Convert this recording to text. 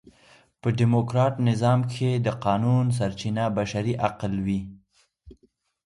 په ډیموکراټ نظام کښي د قانون سرچینه بشري عقل يي.